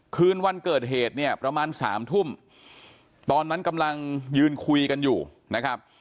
คืนวันเกิดเหตุเนี่ยประมาณสามทุ่มตอนนั้นกำลังยืนคุยกันอยู่นะครับ